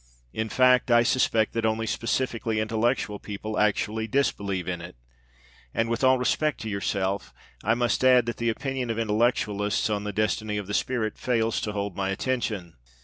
In fact, I suspect that only specifically intellectual people actually disbelieve in it and, with all respect to yourself, I must add that the opinion of intellectualists on the destiny of the spirit fails to hold my attention!